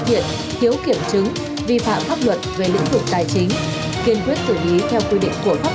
hiện thiếu kiểm chứng vi phạm pháp luật về lĩnh vực tài chính kiên quyết xử lý theo quy định của pháp